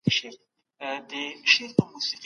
خلګو هره ورځ د خپلو حقونو غوښتنه کوله.